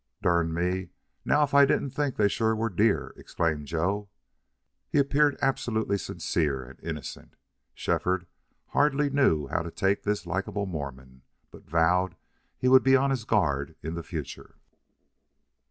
"Durn me! Now if I didn't think they sure were deer!" exclaimed Joe. He appeared absolutely sincere and innocent. Shefford hardly knew how to take this likable Mormon, but vowed he would be on his guard in the future.